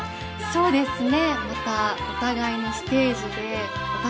そうですか。